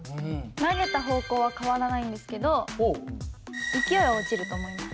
投げた方向は変わらないんですけど勢いは落ちると思います。